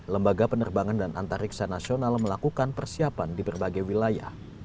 lembaga penerbangan dan antariksa nasional melakukan persiapan di berbagai wilayah